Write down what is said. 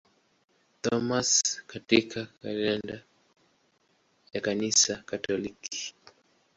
Thomas katika kalenda ya Kanisa Katoliki.